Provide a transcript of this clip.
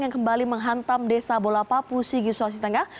yang kembali menghantam desa bola papu sigi sulawesi tengah